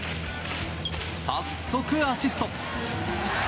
早速アシスト！